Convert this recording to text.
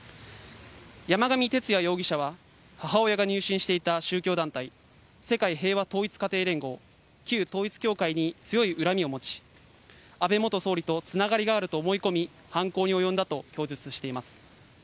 山上徹也容疑者は母親が入信していた宗教団体、世界平和統一家庭連合、旧統一教会に強い恨みを持ち、安倍元総理とつながりがあると思い込み、犯行に及んだと供述しています。